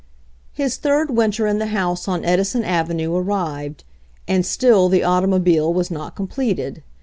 His third winter in the house on Edison ave nue arrived, and still the automobile was not completed.